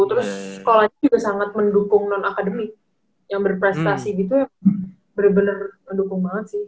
terus sekolahnya juga sangat mendukung non akademik yang berprestasi gitu ya bener bener mendukung banget sih